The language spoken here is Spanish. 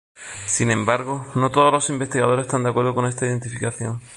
Sin embargo, no todos los investigadores están de acuerdo con esta identificación.